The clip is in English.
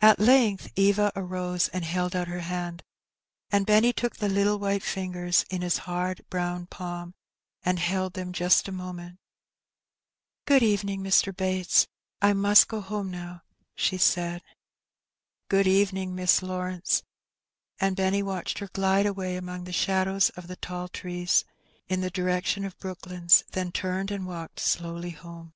At length Era uose and held ont her hand, and Benn; '^■.^:.^& took the little white fingers in his hard browQ palm, and held them just for a moment. " Good evening, Mr. Bates ; I must go home now," she said. The Question Settled. 273 ''Good evening. Miss Lawrence." And Benny watched er glide away among the shadows of the tall trees, in the ^iirection of Brooklands, then turned and walked slowly home.